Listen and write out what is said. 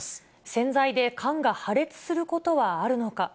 洗剤で缶が破裂することはあるのか。